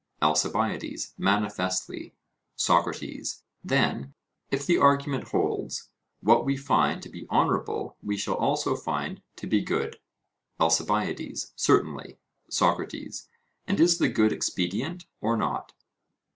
ALCIBIADES: Manifestly. SOCRATES: Then, if the argument holds, what we find to be honourable we shall also find to be good? ALCIBIADES: Certainly. SOCRATES: And is the good expedient or not?